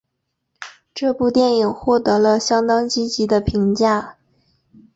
这部电影获得了相当积极的评价。